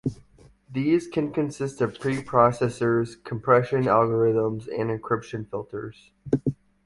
These can consist of pre-processors, compression algorithms, and encryption filters.